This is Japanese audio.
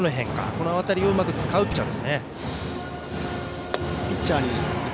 この辺りをうまく使うピッチャーですね。